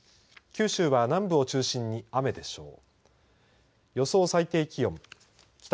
九州は南部を中心に雨でしょう。